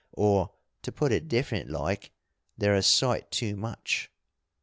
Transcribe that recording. Or, to put it different like, they're a sight too much.